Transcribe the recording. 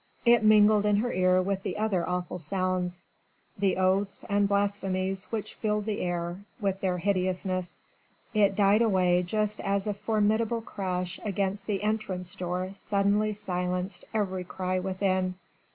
It mingled in her ear with the other awful sounds the oaths and blasphemies which filled the air with their hideousness. It died away just as a formidable crash against the entrance door suddenly silenced every cry within.